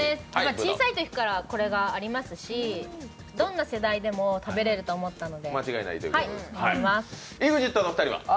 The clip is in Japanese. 小さいときからこれがありますし、どんな世代でも食べれると思ったので。